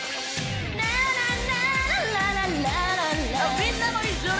みんなも一緒に！